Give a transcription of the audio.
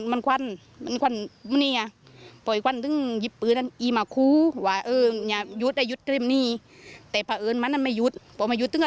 แล้วก็ไม่ได้เอ๋ใจไว้ทุกวันนี้ด้วยเดี่ยว